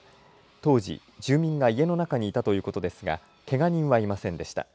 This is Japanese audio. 当時、住民が家の中にいたということですがけが人はいませんでした。